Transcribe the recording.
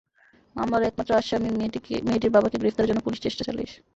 মামলার একমাত্র আসামি মেয়েটির বাবাকে গ্রেপ্তারের জন্য পুলিশ চেষ্টা চালিয়ে যাচ্ছে।